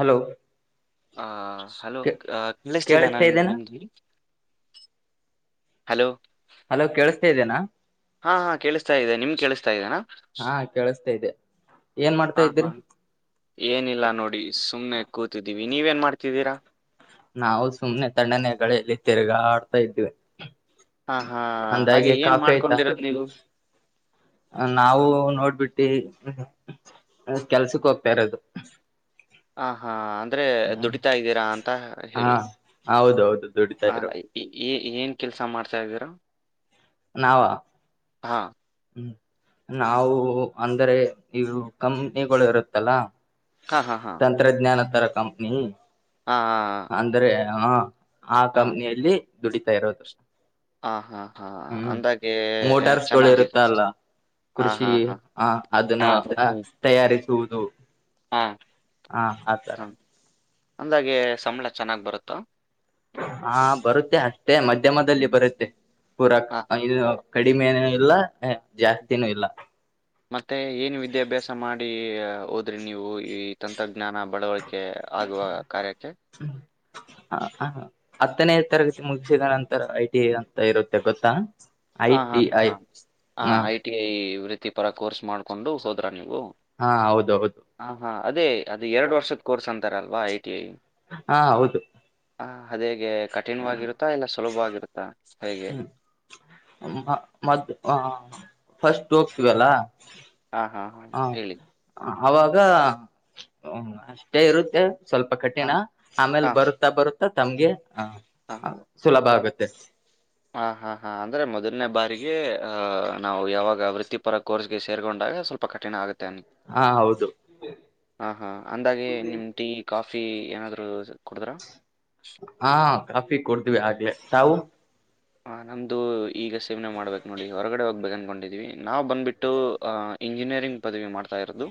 Hello ಆ ಸಲೋ ಕೇಳಿಸ್ತಿದೆನ ಕೇಳಿಸ್ತಾ ನಿಮ್ಗೆ ಇದ್ದೇನಾ ನಮ್ದ ಹಲೋ ಹಲೋ ಕೇಳಸ್ತಾ ಇದೆನಾ? ಹಾ ಹಾ ಕೇಳಿಸ್ತಾ ಇದೆ ನಿಮ್ಗ್ ಕೇಳಿಸ್ತಾ ಇದೆನಾ? ಹಾ ಕೇಳಿಸ್ತಾ ಇದೆ ಏನ್ ಮಾಡ್ತಾ ಹ ಇದ್ರಿ ಏನಿಲ್ಲ ನೋಡಿ ಸುಮ್ನೆ ಕೂತಿದ್ದೀವಿ. ನೀವೇನ್ ಮಾಡ್ತಿದ್ದೀರಾ? ನಾವು ಸುಮ್ನೆ ತಣ್ಣನೆ ಗಾಳಿಯಲ್ಲಿ ತಿರುಗಾಡ್ತಾ ಇದ್ವಿ. ಹಾ ಹಾ ಹಾಗೆ ಅಂದಾಗೆ ಏನ್ ಕಾಫಿ ಆಯ್ತಾ ಮಾಡ್ಕೊಂಡಿರೋದ್ ನೀವು? ನಾವು ನೋಡ್ಬಿಟ್ಟಿ ಕೆಲ್ಸಕ್ ಹೋಗ್ತಾ ಇರೋದು. ಹ ಹಾ ಅಂದ್ರೆ ದುಡಿತಾ ಇದ್ದೀರಾ ಅಂತ ಹಾ ಹೇಳಿ ಹೌದೌದು ದುಡಿತಾ ಆ ಇರೋದು ಏನ್ ಕೆಲ್ಸ ಮಾಡ್ತಾ ಇದ್ದೀರಾ? ನಾವ ಹಾ ಹ್ಮ. ನಾವು ಅಂದರೆ ಇವು ಕಂಪನಿಗಳಿರುತ್ತಲ್ಲ ಹಾ ಹಾ ಹಾ ತಂತ್ರಜ್ಞಾನ ತರ ಕಂಪ್ನಿ ಹಾ ಹಾ ಹ ಹ ಹ ಆ ಕಂಪ್ನಿಯಲ್ಲಿ ದುಡಿತಾ ಇರೋದು. ಹ ಹಾ ಹ್ಮ್ ಅಂದಾಗೆ ಆ, ಚೆನ್ನಾಗಿದೆ ಮೋಟಾರ್ಸ್ಗಳಿರುತ್ತಲ್ಲ ಹಾ ಕೃಷಿ ಹಾ ಹಾ ಹ ಅದನ್ನ ಹಾ ಅ ಹ್ಮ್. ತಯಾರಿ ಸುವುದು. ಹಾ ಹಾ ಆತರ. ಹಾ ಅಂದಾಗೆ ಸಂಬಳ ಚೆನ್ನಾಗ್ಬರುತ್ತಾ? ಹಾ ಬರುತ್ತೆ ಅಷ್ಟೇ ಮಧ್ಯಮಧ್ಯಲ್ಲಿ ಬರುತ್ತೆ. ಪೂರಾಕ್ ಹಾ [unintelligible] ಕಡಿಮೆ ಇಲ್ಲ ಎ ಮತ್ತೆ ಏನು ವಿದ್ಯಾಭ್ಯಾಸ ಮಾಡಿ ಹೋದ್ರಿ ನೀವು ಈ ತಂತ್ರಜ್ಞಾನ ಬಳವಾಯ್ ಕೆ ಆಗುವ ಕಾರ್ಯಕ್ಕೆ ಹ ಹ ಹತ್ತನೇ ತರಗತಿ ಮುಗಿಸಿದ ನಂತರ ಐಟಿ ಐ ಅಂತ ಇರುತ್ತೆ ಗೊತ್ತಾ? ಐ ಹ ಹಾ ಟಿ ಐ ಹಾ ಹ ಐ ಟಿ ಐ ಇವ್ರೆ. ವೃತ್ತಿ ಪರ ಕೋರ್ಸ್ ಮಾಡ್ಕೊಂಡು ಹೋದ್ರಾ ನೀವು? ಹಾ ಹೌದು ಹೌದು. ಹಾ ಹಾ ಅದೇ ಅದು ಎರಡ್ವರ್ಷದ್ ಕೋರ್ಸು ಅಂತಾರಲ್ವಾ ಐ ಟಿ ಐ. ಹಾ ಹೌದು. ಹ ಅದೇಗೆ? ಕಠಿಣವಾಗಿರುತ್ತಾ ಇಲ್ಲ ಸುಲಭವಾಗಿರುತ್ತಾ? ಸ್ಪೖಗೆ. ಹ್ಮ್ ಮ ಮತ್ ಅ ಫಸ್ಟ್ ಹೋಗ್ತೀವಲ್ಲ. ಹಾ ಹಾ ಹ ಹೇಳಿ. ಅವಾಗ ಅಷ್ಟೇ ಇರುತ್ತೆ. ಸ್ವಲ್ಪ ಹಾ ಕಠಿಣ ಆಮೇಲ್ ಹಾ ಬರುತ್ತಾ ಬರುತ್ತ. ತಮ್ಗೆ. ಹಾ ಸುಲಭ ಆಗುತ್ತೆ. [unintelligible] ಹಾ ಹಾ ಹಾ ಅಂದ್ರೆ ಮೊದಲನೇ ಬಾರಿಗೆ ಆ. ನಾವು ಯಾವಾಗ ವೃತ್ತಿಪರ ಕೋರ್ಸ್ಗೆ ಸೇರ್ಕೊಂಡಾಗ ಸ್ವಲ್ಪ ಕಠಿಣ ಆಗುತ್ತೆ. ಹಾ ಹೌದು ಹ ಹಾ ಅಂದಾಗೆ ನಿಮ್ ಟೀ ಕಾಫಿ. ಫಿ ಏನಾದರೂ. ಹಾ ಕಾಫಿ ಕೂಡಿದ್ವು ಆಗಲೇ. ತಾವು. ಹ ನಮ್ಮದು ಈಗ ಸೇವನೆ ಮಾಡ್ಬೇಕು ನೋಡಿ ಹೊರಗಡೆ ಹೋಗ್ಬೇಕ ಅಂದನ್ಕೊಂಡಿದೀವಿ ನಾವು ಬಂದುಬಿಟ್ಟು ಇಂಜಿನಿಯರಿಂಗ್ ಪದವಿ ಮಾಡ್ತಾ ಇರೋದು.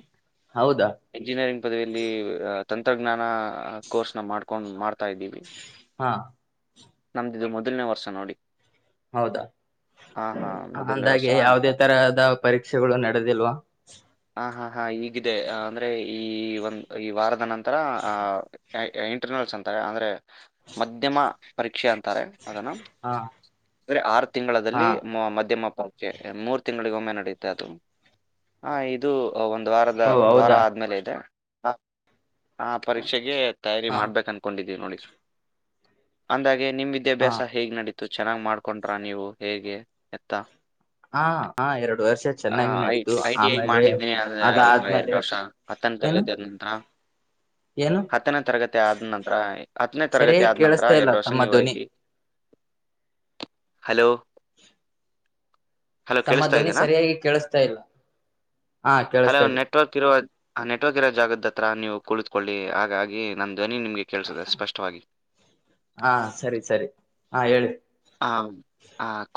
ಹೌದಾ ಎಂಜಿನಿಯರಿಂಗ್ ಪದವಿಯಲ್ಲಿ. ತಂತ್ರಜ್ಞಾನ ಕೋರ್ಸ್ನ ಮಾಡ್ಕೊಂಡು ಮಾಡ್ತಾ ಇದ್ದೀವಿ. ಹಾ. ನಮ್ದಿದು ಮೊದಲನೇ ವರ್ಷ ನೋಡಿ. ಹೌದಾ ಹಾ ಹಾ ಮೊದಲನೇ ವರ್ಷ ಅಂದಾಗೆ ಯಾವವುದೇ ತರದ ಪರೀಕ್ಷೆಗಳು ನಡೆದಿಲ್ವಾ. ಹಾ ಹಾ ಹಾ ಈ. ಇದೆ ಅಂದ್ರೆ. ಈ ಒಂದು್ ಈ ವಾರದ ನಂತರ. ಅಂತರ ಆ. ಇಂಟರ್ನಲ್ಸ್ ಅಂತಾರೆ ಅಂದರೆ. ಮತ್ತೆ ಮ. ಪರೀಕ್ಷೆ ಅಂತಾರೆ. ಅದನ ಹಾ ಅಂದ್ರೆ ಆರು ಹಾ ತಿಂಗಳದಲ್ಲಿ ಮ ಮಧ್ಯಮ. ಓಕೆ ಮೂರ್ ತಿಂಗಳಿಗೊಮ್ಮೆ ನಡೆಯುತ್ತೆ ಅದು ಹ ಇದು. ಒಂದ್ ವಾರದ ಓ ಒಂದ್ ವಾರ ಹೌದಾ ಆದ್ಮೇಲೆ ಇದೆ. ಹ ಹಾ ಪರೀಕ್ಷೆಗೆ. ತಯಾರಿ ಹ ಮಾಡಬೇಕ ಅನ್ಕೊಂಡಿದ್ದು. ನೋಡ. [unintelligible] ಅಂದಾಗೆ. ನಿಮ್ಮ ಹ ವಿದ್ಯಾಭ್ಯಾಸ ಹೇಗ್ ನಡ್ ಚೆನ್ನಾಗಿ ಮಾಡ್ಕೊಂಡ್ರಾ ನೀವು ಹೇಗೆ ಎತ್ತಾ. ಹ ಹ ಎರಡು ವರ್ಷ ಹ ಚೆನ್ನಾಗಿ ಐ ನಡೀತು ಐ ಟಿ ಐ ಆಮೇಲೆ ಮಾಡಿದ್ದೀನಿ ಆದ್ರೆ ಅಲ್ ಎರಡ್ ಅದಾದ್ಮೇಲೆ ವರ್ಷ ಹತ್ತನೇ ತರಗತಿ ಏನು ಆದ ನಂತರ ಏನು ಹತ್ತನೇ ತರಗತಿ ಆದ ನಂತರ ಹತ್ತನೇ ತರಗತಿ ಆದ ನಂತರ. ಕೆಲ್ಸತ್ತ ಇಲ್ಲ ಎರಡು ವರ್ಷ ತಮ್ಮ ನೀವು ಐ ಧ್ವನಿ. ಟಿ ಹಲೋ. [unintelligible] ಹಲೋ ತಮ್ಮ ಕೇಳಿಸ್ತಾ ಧ್ವನಿ ಇದ್ದೀನಾ ಸರಿಯಾಗಿ ಕೇಳಿಸ್ತಾ ಇಲ್ಲ ಹಾ ಹಲೋ ಕೇಳಿಸ್ತಾ ಇದೆ ನೆಟ್ವರ್ಕ್ ಇರೋ ನೆಟ್ವರ್ಕ್ ಇರೋ ಜಾಗದ ಹತ್ರ ನೀವು. ಕುಳಿತಕೊಳ್ಳಿ ಹಾಗಾಗಿ ನಂದ ಧ್ವನಿ ನಿಮಗೆ ಕೇಳಿಸದ ಸ್ಪಷ್ಟವಾಗಿ. ಹಾ ಸರಿ ಸರಿ ಹಾ ಹೇಳಿ. ಆ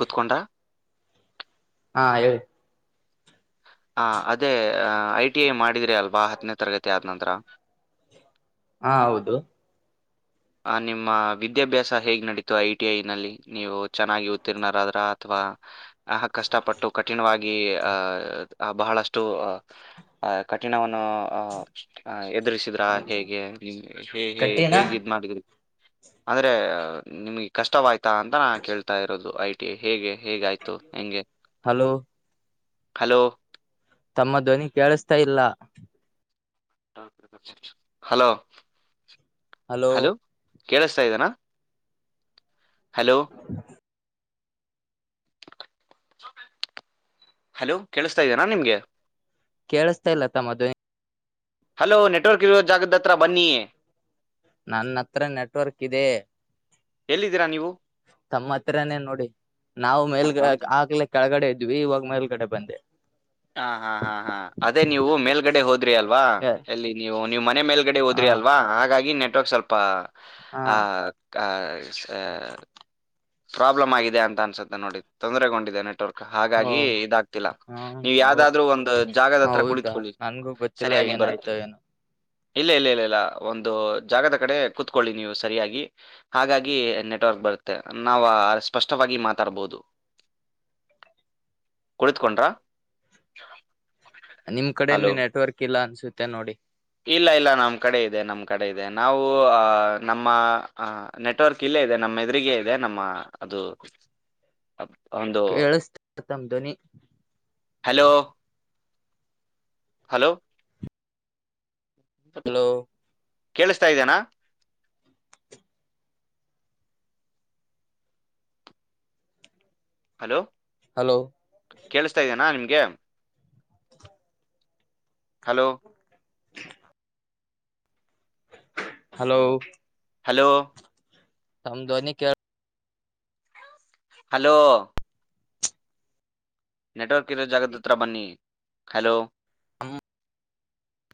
[unintelligible] ಹಾ ಹೇಳಿ. ಹ ಅದೇ ಐ ಟಿ ಐ ಮಾಡಿದ್ರಿ ಅಲ್ವಾ ಹತ್ತನೇ ತರಗತಿ ಆದ ನಂತರ. ಹಾ ಹೌದು. ಆ ನಿಮ್ಮ ವಿದ್ಯಾಭ್ಯಾಸ ಹೇಗ್ ನಡಿತು ಐ ಟಿ ಐ ನಲ್ಲಿ ನೀವು ಚೆನ್ನಾಗಿ ಉತ್ತೀರ್ಣರಾದ್ರ ಅಥವಾ ಆ ಕಷ್ಟಪಟ್ಟು ಕಠಿಣವಾಗಿ ಆಹ್ ಬಹಳಷ್ಟು ಅ ಆ ಕಠಿಣವನ್ನು ಅ ಎದರಿಸಿದ್ರಾ ಹೇಗೆ ಹೇಗೆ ಕಠಿಣ ಹೇಗಿತ್. ಅಂದ್ರೆ ನಿಮ್ಗೆ ಕಷ್ಟವಾಯ್ತಾ ಅಂತ ನಾ ಕೇಳ್ತಾ ಇರೋದು ಐ ಟಿ ಐ ಹೇಗೆ. ಹೇಗಾಯ್ತು ಹೆಂಗೆ. Hello hello. ತಮ್ಮ ಧ್ವನಿ ಕೇಳಸ್ತಾ ಇಲ್ಲ. ಹಲೋ. ಹಲೋ. ಕೇಳಸ್ತಾ ಇದೇ ನ ಹಲೋ. ಹಲೋ ಕೇಳಿಸ್ತಾ ಇದ್ಯಾನ ನಿಮಗೆ. ಕೇಳಿಸ್ತಾ ಇಲ್ಲ ತಮ್ಮ ಧ್ವನೀ. ಹಲೋ ನೆಟ್ವರ್ಕ್ ಇರೋ ಜಾಗದ್ದ ಹತ್ರ ಬನ್ನಿ. ನನ್ನ ಹತ್ರ ನೆಟ್ವರ್ಕ್ ಇದೆ ಎಲ್ಲಿದ್ದೀರಾ ನೀವು ತಮ್ಮ ಹತ್ರನೇ ನೋಡಿ ನಾವು ಮೇಲ್ಗ ಹಾ ಆಗ್ಲೇ ಕೆಳಗಡೆ ಇದ್ವಿ ಇವಾಗ ಮೇಲೆಗಡೆ ಬಂದೆ. ಹ ಹಾ ಹಾ ಹಾ ಅದೇ ನೀವು ಮೇಲ್ಗಡೆ ಹೋದ ಹೋದ್ರಿ ಅಲ್ವಾ ಹ ಅಲ್ಲಿ ನೀವು ನೀವು ಮನೆ ಮೇಲ್ಗಡೆ ಹೋದ್ರಿ ಅಲ್ವಾ ಹಾ ಹಾಗಾಗಿ ನೆ ಸ್ವಲ್ಪ. ಆ ಕಾ ಹ ಪ್ರಾಬ್ಲಮ್ ಆಗಿದೆ ಅಂತ ಅನ್ಸುತ್ತೆ ನೋಡಿ ತೊದರೆಗೊಂಡಿದ್ದೇನೆ. ನೆಟ್ವರ್ಕ್ ಓ ಹಾಗಾಗಿ ಇದಾಗತಿಲ್ಲಾ ನೀವ್ ಹ ಯಾವ್ದಾದ್ರು ಒಂದು ಜಾಗದ ಹತ್ರ ಹೌದಾ ಕುಳಿತ್ಕೊಳ್ಳಿ ನನ್ಗೂ ಗೊತ್ತಿಲ್ಲ ಸರಿಯಾಗಿ ಬರತ್ತೆ ಏನಾಯ್ತೋ ಏನೋ ಇಲ್ಲ ಇಲ್ಲ ಇಲ್ಲ ಇಲ್ಲ ಒಂದು ಜಾಗದ ಕಡೆ ಕುೂತ್ಕೊಳ್ಳಿ ನೀವು ಸರಿಯಾಗಿ ಹಾಗಾಗಿ ನೆಟ್ವರ್ಕ್ ಬರತ್ತೆ ನಾವ ಸ್ಪಷ್ಟವಾಗಿ ಮಾತಾಡ್ಬಹುದು ಕುಳತ್ಕೊಂಡ್ರಾ. ನೀಮ್ ಕಡೆನ್ನೇ ನೆಟ್ವರ್ಕ್ ಇಲ್ಲ ಅನ್ಸುತ್ತೆ ನೋಡಿ. ಇಲ್ಲಾ ಇಲ್ಲಾ ನಮ್ಮ್ ಕಡೆ ಇದೆ ನಮ್ಮ್ ಕಡೆ ಇದೆ ನಾವು ಅ ನಮ್ಮ ಅ ನೆಟ್ವರ್ಕ್ ಇಲ್ಲೇ ಇದೆ ನಮ್ಮ ಎದುರಿಗೆ ಯ ನಮ್ಮ ಅದು. ಒಂದು ಕೇಳಸ್ತತಮ ಧ್ವನಿ. ಹಲೋ ಹಲೋ ಹಲೋ ಕೇಳಸ್ತಾ ಇದೇನಾ ಹಲೋ ಹಲೋ ಕೇಳಸ್ತಾ ಇದೇನಾ ನಿಮ್ ಯಂಯಿ ಹಲೋ [inaudible] ಹಲೋ ಹಲೋ ತಮ್ಮ ಧ್ವನಿ ಕೇಳ ಹಲೋ ನೆಟ್ವರ್ಕ್ ಇರೋ ಜಾಗದ ಹತ್ರ ಬನ್ನಿ ಹಲೋ ಹ್ಮ್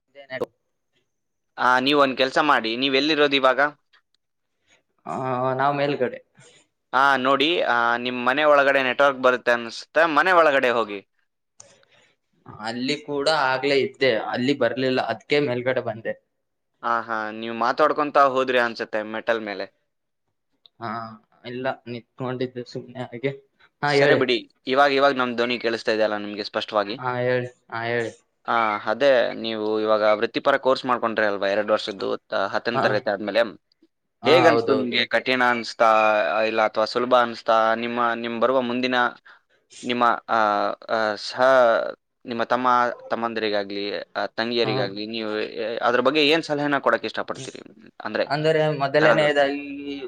ಇದೇನಡಿ. ಹಾ ನೀವ ಒಂದ ಕೆಲ್ಸಾ ಮಾಡಿ ನೀವ ಎಲ್ಲಿರೋದು ಇವಾಗಾ. ಆ ನಾವ್ ಮೇಲ್ಗಡೆ. ಆ ನೋಡಿ ಆ ನಿಮ್ಮ ಮನೆ ಒಳಗಡೆ ನೆಟ್ವರ್ಕ್ ಬರುತ್ತ ಅನ್ಸುತ್ತ ಮನೆ ಒಳಗಡೆ ಹೋಗಿ ಅಲ್ಲಿ ಕೂಡ ಆಗ್ಲೇ ಇದ್ದೆ ಅಲ್ಲಿ ಬರ್ಲಿಲ್ಲ ಅದಕ್ಕೆ ಮೇಲ್ಗಡೆ ಬಂದೆ. ಹಾ ಹಾ ನೀವ್ ಮಾತಾಡ್ಕೊಂತಾ ಹೋದ್ರಿ ಅನ್ಸುತ್ತೆ ಮೆಟಲ್ ಮೇಲೆ. ಹಾ ಇಲ್ಲಾ ನಿತ್ಕೊಂಡಿದ್ದೆ ಸುಮ್ನೆ ಹಾಗೆ. ಹಾ ಸರೆ ಹೇಳಿ ಬಿಡಿ ಇವಾಗ ಇವಾಗ. ನಮ್ಮ ಧ್ವನಿ ಕೇಳಸ್ತಾ ಇದೆ ಅಲ್ಲಾ ನಿಂಗೆ ಹಾ ಏಳಿ ಹಾ ಏಳಿ. ಆ ಅದೇ ನೀವು ಇವಾಗ ವೃತ್ತಿಪರ ಕೋರ್ಸ್ ಮಾಡ್ಕೊ ಅಲ್ವಾ ಎರಡು ವರ್ಷದ್ದು ಹತ್ತನ ಹಾ ತರಗತಿ ಆದ್ಮೇಲೆ ಹಾ ಹೇಗ ಅನ್ಸಿತು ಹೌದೌದು ನಿಮ್ಗೆ ಕಠಿಣ ಅನ್ಸ್ ಆ ಇಲ್ಲಾ ಅಥವಾ ಸುಲಭ ಅನಿಸ್ತಾ ನಿಮ್ಮ ನಿಮ್ ಬರುವ ಮುಂದಿನ. ನಿಮ್ಮಾ ಆ ಅ ಸಾ ನಿಮ್ಮ ತಮ್ಮ ತಮ್ಮಂದ್ರಿಗಾಗ್ಲಿ ಹಾ ತಂಗಿಯರಿಗಾಗಲಿ ನೀವು ಅದ್ರ ಬಗ್ಗೆ ಏನ್ ಸಲಹೆನ ಕೊಡಕ್ಕೆ ಇಷ್ಟಪಡ್ತೀರಿ ಅಂದರೆ ಅಂದ್ರೆ ಯಾರಾದ್ರೂ ಮೊದಲನೇದಾಗಿ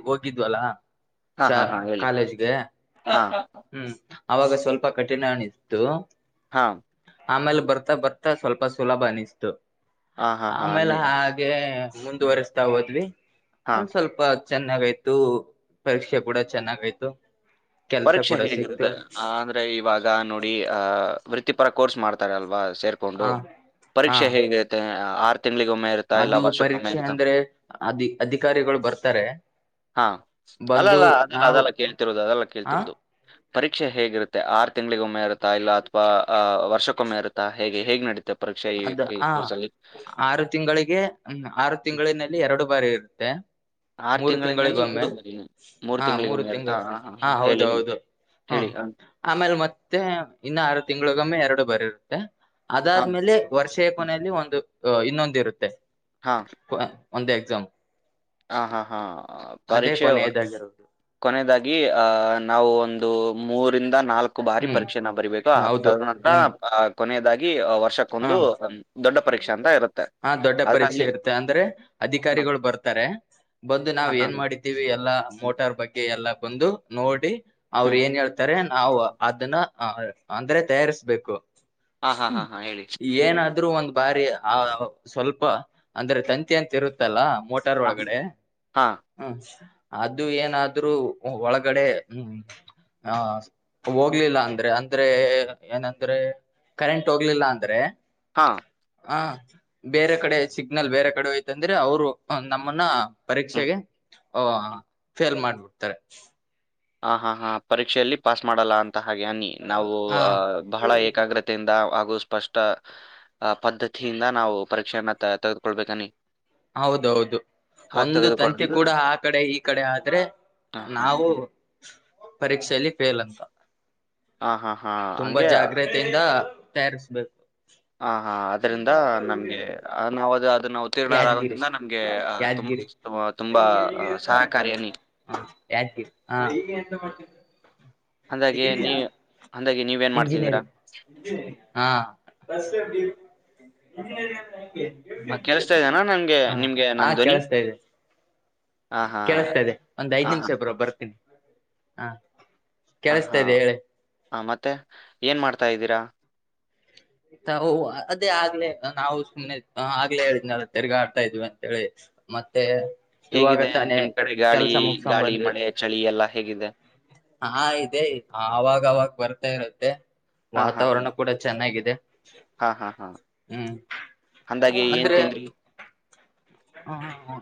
ಹೋಗಿದ್ವಲ್ಲ ಹಾಂ ಶ ಹಾಂ ಹಾಂ ಹೇಳಿ. ಕಾಲೇಜ್ಗೆ ಹಾ ಹ್ಮ್ ಅವಾಗ ಸ್ವಲ್ಪ ಕಠಿಣ ಅನಿಸ್ತು. ಹಾ ಆಮೇಲೆ ಬರ್ತಾ ಬರ್ತಾ ಸ್ವಲ್ಪ ಸುಲಭ ಅನಿಸ್ತು. ಹಾ ಹಾ ಹಾ ಆಮೇಲೆ ನೀ ಹಾಗೆ ಮುಂದುವರೆಸ್ತಾ ಹೋದ್ವಿ ಹಾ ಒಂದ್ ಸ್ವಲ್ಪ ಚೆನ್ನಾಗಯ್ತು ಪರೀಕ್ಷೆ ಕೂಡ ಚೆನ್ನಾಗಯ್ತು. ಕೆಲ್ಸ ಪರೀಕ್ಷೆ ಸಿಕ್ತು ಹೇಗಿರುತ್ತೆ ಆದ್ರೆ ಇವಾಗ ನೋಡಿ ಆ ವೃತ್ತಿಪರ ಕೋರ್ಸ್ ಮಾಡ್ತಾರೆಲ್ವಾ. ಹ ಸೇರ್ಕೊಂಡು ಹಾ ಪರೀಕ್ಷೆ ಹೇಗೆತ್ ಹ ಆರ್ ತಿಂಗಳಿಗೊಮ್ಮೆ ಇರುತ್ತಾ ಇಲ್ಲ ಅದು ವರ್ಷಕ್ಕೊಮ್ಮೆ ಪರೀಕ್ಷೆ ಇರುತ್ತಾ ಅಂದ್ರೆ ಅಧಿ ಅಧಿಕಾರಿಗಳು ಬರ್ತಾರೆ ಹಾ ಬಂದು ನಾವು ಹ ತಿರುದು ಪರೀಕ್ಷೆ ಹೇಗಿರುತ್ತೆ ಆರು ತಿಂಗ್ಳ್ಗ್ ಒಮ್ಮೆ ಇರುತ್ತಾ ಇಲ್ಲಾ ಅಥವಾ ಆ ವರ್ಷಕ್ಕೊಮ್ಮೆ ಇರತ್ತಾ ಹೇಗೆ ಹೇಗ್ ನಡಿ ಅದ ಆ ಆರು ತಿಂಗಳಿಗೆ ಮ್ ಆರು ತಿಂಗಳಿನಲ್ಲಿ ಎರಡು. ಬರಿ ಇರತ್ತೆ ಆರ್ ಮೂರು ತಿಂಗಳಿನಲ್ಲಿ ತಿಂಗಳಿಗೊಮ್ಮೆ ಎರಡು ಬರೀ ಹಾ ಮೂರು ತಿಂಗಳು ಹಾ ಹೌದ ಹೌದು ಹ್ಮ ಹೇಳಿ ಹಾ ಆಮೇಲೆ ಮತ್ತೆ ಇನ್ನೂ ಆರ ತಿಂಗಳಿಗೊಮ್ಮೆ ಎರಡು ಬರಿರುತ್ತೆ ಹಾ ಅದಾದ್ಮೇಲೆ ವರ್ಷೆಯ ಹ್ಮ್. ಕೊನೆಯಲ್ಲಿ ಒಂದು. ಅ ಇನ್ನೊಂದ ಇರುತ್ತೆ ಹಾ ಪ ಒಂದೆ ಎಕ್ಸಾಮ್ ಹಾ ಹಾ ಹಾ ಪರೀಕ್ಷೆ ಕೊನೆಯದಾಗಿರೋದು ಕೊನೆಯದಾಗಿ ಆ ನಾವು ಒಂದ್ ದು ಮೂರಿಂದ ನಾಲ್ಕ್ ಕು ಬಾರಿ ಹ್ಮ್ ಪರೀಕ್ಷೆ ನ ಬರಿಬೇಕು ಆ ಹೌದು ತದ ನಂತರ ಹ್ಮ್ ಆ ಕೊನೆಯದಾಗಿ ಹಾ ವರ್ಷಕ್ಕೊಂದು ದೊಡ್ಡ ಪರೀಕ್ಷೆ ಅಂತ ಇರುತ್ತೆ ಹಾ ದೊಡ್ಡ ಪರೀಕ್ಷೆ ಅದ್ರಲ್ಲಿ ಇರುತ್ತೆ ಅಂದ್ರೆ ಅಧಿಕಾರಿಗಳು ಬರ್ತಾ ಬಂದು ಹ ನಾವ್ ಹ ಏನ್ ಹ ಮಾಡಿದ್ದೀವಿ ಎಲ್ಲಾ ಹಾ ಮೋಟಾರ್ ಬಗ್ಗೆ ಎಲ್ಲಾ ಬಂದು ನೋಡಿ ಅವ್ರ ಹ್ಮ್ ಏನ್ ಎಳ್ತಾರೆ. ನಾವು ಅದನ್ನ ಅ ಅಂದ್ರೆ ತಯಾರಿಸ್ಬೇಕು ಹಾ ಹಾ ಹಾ ಹಾ ಹೇಳಿ ಏನ ರು ಒಂದ ಬಾರಿ ಆ ಸ್ವಲ್ಪ ಅಂದ್ರೆ ತಂತಿ ಅಂತ ಇರುತ್ತಲ್ಲಾ ಮೋಟಾರ್ ಹಾ ಒಳಗಡೆ ಹಾ ಹ್ಮ ಸ್ ಅದು ಏನಾದ್ರೂ ಒಳಗಡೆ ಹ್ಮ್ ಆ ಹೋಗ್ಲಿಲ್ಲಾ ಅಂದ್ರೆ ಅಂದ್ರೆ ಏನಂದ್ರೆ ಕರೆಂಟ್ ಹೋಗ್ಲಿಲ್ಲಾ ಅಂದ್ರೆ. ಹಾ ಹ ಬೇರೆ ಕಡೆ ಸಿಗ್ನಲ್ ಬೇರೆ ಕಡೆ ಹೋಯ್ತಂದ್ರೆ ಅವ್ರು ನಮ್ಮನ್ನ ಹ್ಮ್ ಪರೀಕ್ಷೆಗೆ ಒ ಫೇಲ್ ಮಾಡಬೇ ತಾರೆ ಹಾ ಹಾ ಹಾ ಪರೀಕ್ಷೆಯಲ್ಲಿ ಪಾಸ್ ಮಾಡಲ್ಲಾ ಅಂ ಹಾಗೆ ಅನ್ನಿ ನಾವು ಹ ಅ ಬಹಳ ಏಕಾಗ್ರತೆಯಿಂದ್ ಹಾಗು ಸ್ಪಷ್ಟ ಆ ಪದ್ಧತಿಯಿಂದ ನಾವು ಪರೀಕ್ಷೆಯನ್ನ ತೆಗೆದುಕೊಳ್ಬೇಕನಿ ಹೌದೌದು ಒಂದು ತಂತಿ ತೆಗೆದುಕೊಂಡು ಕೂಡ ಆ ಕಡೆ ಈ ಕಡೆ ಆದ್ರೆ ಹಾ ಹಾ ನಾವು ಪರೀಕ್ಷೆಯಲ್ಲಿ ಫೇಲ್ ಅಂತಾ. ಹಾ ಹಾ ಹಾ ತುಂಬಾ ಹಂಗೆ ಜಾಗ್ರತೆಯಿಂದ ತಯ್ಯಾರಸ್ಬೇಕು. ಆ ಹಾ ಅದ್ರಿಂದ ನಮ್ಗೆ ಅನ್ ಅವಾಜ್ [unintelligible] ಯಾದಗಿರಿ ಉತ್ತಿರ್ಣರಾಗೋದ್ರಿಂದ ನಮ್ಗೆ ಅಹ ಯಾದಗಿರಿ ತುಂಬಾ ತುಂಬಾ ಸಹಕಾರಿಯ ಅನ್ನಿ. ಹ ಯಾದಗಿರಿ ಹಾ ಅಂದಾಗೆ ನೀ ಇಂಜಿನಿಯರಿಂಗ್ ಅಂದಾಗೆ ನೀವೇನ್ ಮಾಡ್ತಿದ್ದೀರಾ ಹಾ ಇಂಜಿನಿಯರ್ ಅಂದ್ರೇನ ಹ ಕೆಲ್ಸ್ತಾ ಇದೆನಾ ನಂಗೆ ನಿಮ್ಗೆ ನನ್ ಧ್ವನಿ. ಹಾ ಹಾ ಕೆಳ್ಸ್ತಾ ಇದೆ ಒಂದ್ ಹಾ ಐದ್ ನಿಮಿಷ ಬ್ರೋ ಬರ್ತೀನಿ. ಹಾ ಆ ಕೇಳಿಸ್ತಾ ಹಾ ಇದೆ ಹೇಳಿ ಆ ಮತ್ ತ್ತೆ ಏನ್ ಮಾಡ್ತಾ ಇದಿರಾ. ಅದೇ ಆಗ್ಲೇ ನಾವು ಸುಮ್ನೆ ಆಗ್ಲೇ ಹೇಳಿದ್ನಲ್ಲ ತಿರ್ಗ ಆಡ್ತಾ ಇದ್ವಿ ಅಂತೇಳಿ ಮತ್ತೆ ಇವಾಗ ಹೇಗಿದೆ ತಾನೇ ನಿಮ್ ಕಡೆ ಗಾಳಿ ಕೆಲ್ಸ ಮುಗಸ್ಕೊಂಡ್ ಗಾಳಿ ಮಳೆ ಚಳಿ ಎಲ್ಲಾ ಹೇಗಿದೆ ಆಹಾ ಇದೆ ಅವಾಗ್ ಅವಾಗ ಬರ್ತಾ ಇರುತ್ತೆ. ಹಾ ಹಾ ವಾತಾವರಣ ಕೂಡ ಚೆನ್ನಾಗಿದೆ. ಹಾ ಹಾ ಹಾ ಹ್ಮ್ ಅಂದಾಗೆ ಏನ್ ತಿನ್ರಿ ಹ್ಮ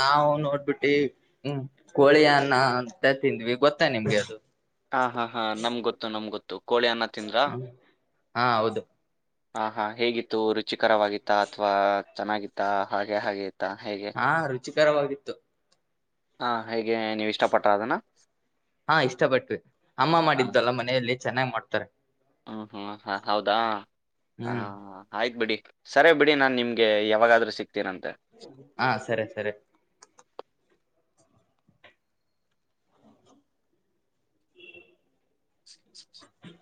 ನಾವು ನೋಡ್ಬಿಟ್ಟಿ ಹ್ಮ ಕೋಳಿಯನ್ನ ಅಂತ ತಿಂದ್ವಿ ಗೊತ್ತಾ ನಿಮ್ಗೆ ಅದು. ಹಾ ಹಾ ಹಾ ನಮ್ ಗೊತ್ತು ನಮ್ ಗೊತ್ ತು ಕೋಳಿ ಅನ್ನಾ ತಿಂದ್ರಾ. ಹಾ ಹೌದು ಹಾ ಹಾ ಹೇಗಿತ್ತು ರುಚಿ. ಕರವಾಗಿತ್ತ ಅಥವಾ ಚೆನ್ನಾಗಿತ್ತಾ ಹಾಗೆ ಹಾಗೆ ತ್ತಾ ಹೇಗೆ ಚಿಕರವಾಗಿತ್ತು. ಹಾ ಹೇಗೆ ನೀವ ಇಷ್ಟ ಪಟ್ರ ಅದನ್ನ ಹಾ ಇಷ್ಟಪಟ್ವಿ ಅಮ್ಮಾ ಹಾ. ಮಾಡಿದ್ದಲ್ಲಾ ಮನೆಯಲ್ಲಿ. ಚೆನ್ನಾಗ್ ಮಾಡ್ತಾರೆ ಹ್ಮ್ ಹ್ಮ್ ಹ ಹೌದಾ ಹ ಹ್ಮ್ ಆಯ್ತ್ ಬಿಡಿ. ಸರಿ ಬಿಡಿ ನಾನ್ ನಿಮ್ಗೆ ಯಾವಾಗಾದ್ರೂ ಸಿಕ್ತ ಹಾ ಸರಿ ಸರಿ. [inaudible]